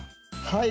はい。